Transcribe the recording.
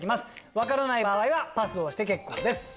分からない場合はパスをして結構です。